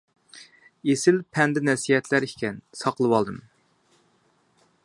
ئېسىل پەند-نەسىھەتلەر ئىكەن، ساقلىۋالدىم.